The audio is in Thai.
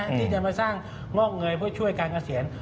ที่จะมาสร้างมอบเงยเพื่อช่วยการเกษียณ